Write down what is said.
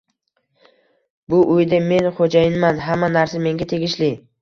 Bu uyda men xo`jayinman, hamma narsa menga tegishli